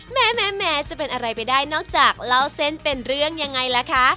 แม้จะเป็นอะไรไปได้นอกจากเล่าเส้นเป็นเรื่องยังไงล่ะคะ